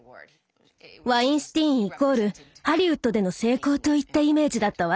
ワインスティーンイコールハリウッドでの成功といったイメージだったわ。